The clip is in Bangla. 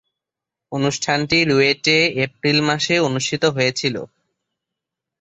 অনুষ্ঠানটি রুয়েটে এপ্রিল মাসে অনুষ্ঠিত হয়েছিলো।